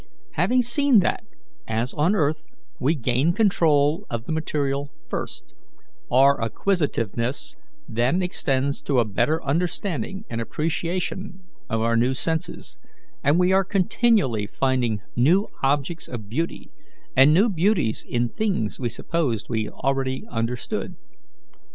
"Having seen that, as on earth, we gain control of the material first, our acquisitiveness then extends to a better understanding and appreciation of our new senses, and we are continually finding new objects of beauty, and new beauties in things we supposed we already understood.